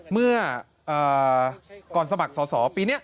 เมื่อก่อนสมัครสอสอปีนี้